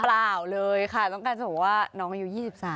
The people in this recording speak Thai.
เปล่าเลยค่ะต้องการจะบอกว่าน้องอายุ๒๓